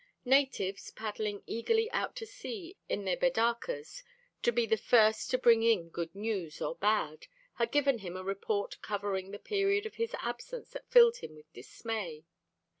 Natives, paddling eagerly out to sea in their bidarkas to be the first to bring in good news or bad, had given him a report covering the period of his absence that filled him with dismay.